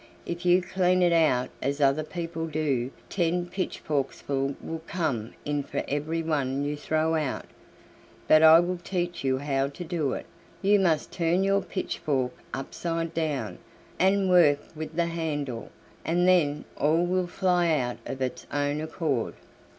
"If you clean it out as other people do, ten pitchforksful will come in for every one you throw out. But I will teach you how to do it; you must turn your pitchfork upside down, and work with the handle, and then all will fly out of its own accord."